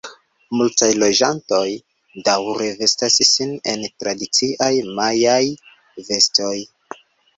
Multaj loĝantoj daŭre vestas sin en tradiciaj majaaj vestoj.